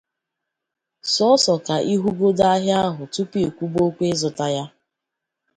sọọsọ ka ị hụgodi ahịa ahụ tupu ikwube okwu ịzụta ya